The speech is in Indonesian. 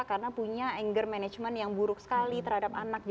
karena punya anger management yang buruk sekali terhadap anak